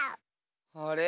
あれ？